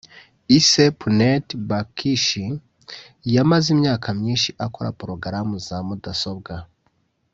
Ise Puneet Bakshi yamaze imyaka myinshi akora program za mudasobwa